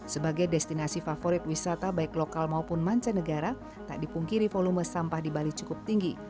sebagai destinasi favorit wisata baik lokal maupun mancanegara tak dipungkiri volume sampah di bali cukup tinggi